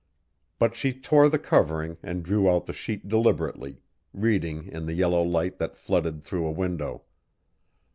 But she tore the covering and drew out the sheet deliberately, reading in the yellow light that flooded through a window.